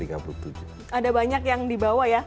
ada banyak yang dibawa ya